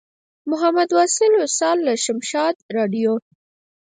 محمد واصل وصال له شمشاد راډیو.